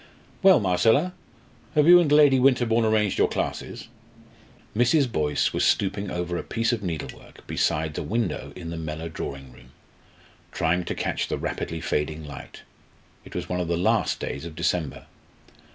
"Well, Marcella, have you and Lady Winterbourne arranged your classes?" Mrs. Boyce was stooping over a piece of needlework beside a window in the Mellor drawing room, trying to catch the rapidly failing light. It was one of the last days of December.